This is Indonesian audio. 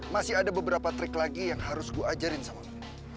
masih ada beberapa trik lagi yang harus gue ajarin sama